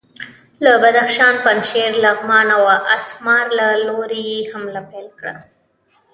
له بدخشان، پنجشیر، لغمان او اسمار له لوري یې حمله پیل کړه.